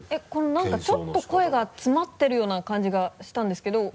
なんかちょっと声が詰まってるような感じがしたんですけど。